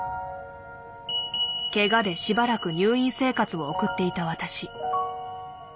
けがでしばらく入院生活を送っていた私。